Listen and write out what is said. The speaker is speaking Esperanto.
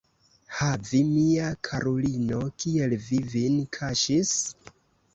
Ha, vi, mia karulino, kiel vi vin kaŝis?